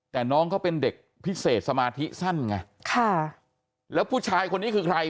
แต่น้องเขาเป็นเด็กพิเศษสมาธิสั้นไงค่ะแล้วผู้ชายคนนี้คือใคร